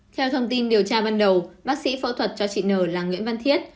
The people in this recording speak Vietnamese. theo thông tin điều tra ban đầu bác sĩ phẫu thuật cho chị nờ là nguyễn văn thiết